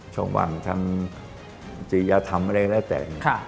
ระหว่างทางจริยธรรมอะไรแล้วแต่